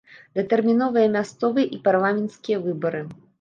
Датэрміновыя мясцовыя і парламенцкія выбары.